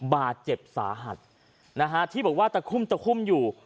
บาดเจ็บสาหัสนะฮะที่บอกว่าตะคุ่มตะคุ่มอยู่